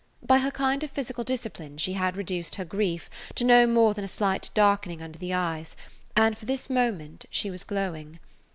By her kind of physical discipline she had reduced her grief to no more than a slight darkening under the eyes, and for this moment she was glowing.